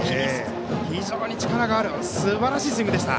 非常に力のあるすばらしいスイングでした。